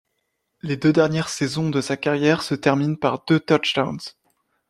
Les deux dernières saisons de sa carrière se terminent par deux touchdowns.